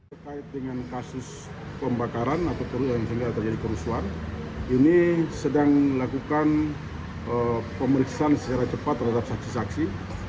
terkait dengan kasus pembakaran atau terjadi kerusuhan ini sedang melakukan pemeriksaan secara cepat terhadap saksi saksi